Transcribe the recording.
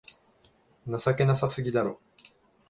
情けなさすぎだろ